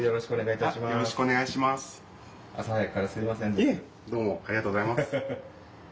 いえどうもありがとうございます。